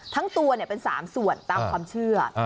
ทั้งตัวเนี้ยเป็นสามส่วนตามความเชื่ออ่า